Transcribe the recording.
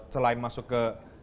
selain masuk ke